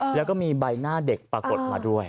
แล้วก็มีใบหน้าเด็กปรากฏมาด้วย